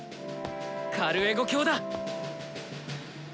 カルエゴ卿だ！